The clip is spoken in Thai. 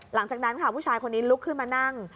หลังจากนั้นค่ะผู้ชายคนนี้ลุกขึ้นมานั่ง